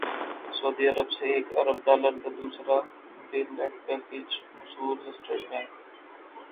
سعودی عرب سے ایک ارب ڈالر کا دوسرا بیل اٹ پیکج موصول اسٹیٹ بینک